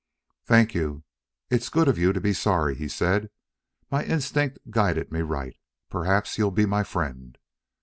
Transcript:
"Thank you. It's good of you to be sorry," he said. "My instinct guided me right. Perhaps you'll be my friend."